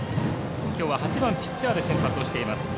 今日は８番ピッチャーで先発をしています。